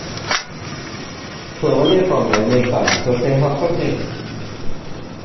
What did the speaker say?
Clywon ni'r bomiau yn mynd bant wrth ein hochr ni